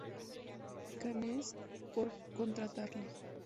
Cannes por contratarle.